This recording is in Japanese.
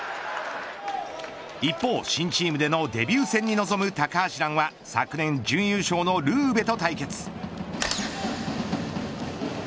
一方、新チームでのデビュー戦に臨む高橋藍は昨年準優勝のルーベと対決。